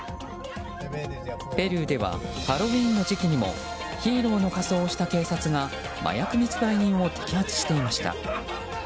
ペルーではハロウィーンの時期にもヒーローの仮装をした警察が麻薬密売人を摘発していました。